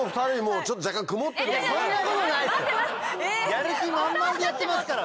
やる気満々でやってますから。